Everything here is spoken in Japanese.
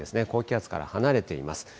高気圧から離れています。